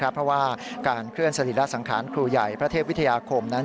เพราะว่าการเคลื่อนสรีระสังขารครูใหญ่พระเทพวิทยาคมนั้น